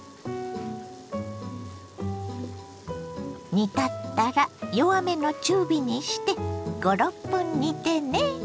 煮立ったら弱めの中火にして５６分煮てね。